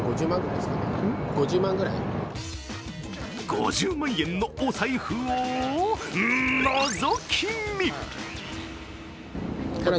５０万円のお財布をのぞき見！